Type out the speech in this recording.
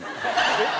えっ？